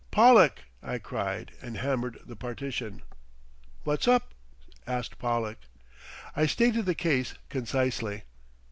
"Pollack!" I cried and hammered the partition. "What's up?" asked Pollack. I stated the case concisely.